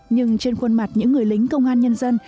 nhưng trên khuôn mặt những người lính công an nhân dân